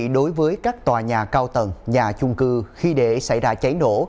đối với các tòa nhà cao tầng nhà chung cư khi để xảy ra cháy nổ